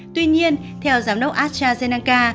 tuy nhiên theo giám đốc astrazeneca